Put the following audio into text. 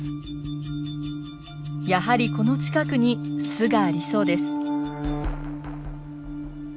やはりこの近くに巣がありそうです。